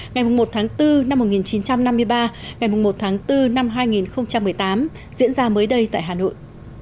ngày một tháng bốn năm một nghìn chín trăm năm mươi ba ngày một tháng bốn năm hai nghìn một mươi tám diễn ra mới đây tại hà nội